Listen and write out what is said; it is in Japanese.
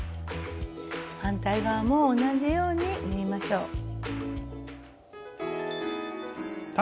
反対側も同じように縫いましょう。